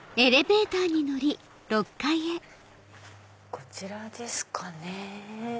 こちらですかね。